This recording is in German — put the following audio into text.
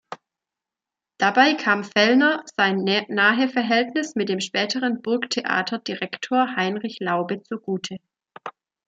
Dabei kam Fellner sein Naheverhältnis mit dem späteren Burgtheaterdirektor Heinrich Laube zugute.